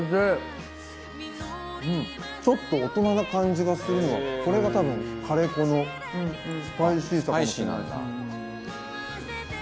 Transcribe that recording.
ちょっと大人な感じがするのはこれが多分カレー粉のスパイシーさかもしれない。